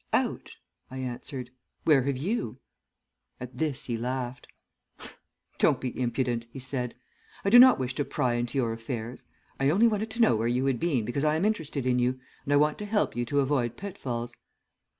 "'Out,' I answered. 'Where have you?' "At this he laughed. "'Don't be impudent,' he said. 'I do not wish to pry into your affairs. I only wanted to know where you had been because I am interested in you, and I want to help you to avoid pitfalls.'